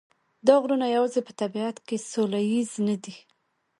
دا غرونه یوازې په طبیعت کې سوله ییز نه دي.